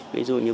ví dụ như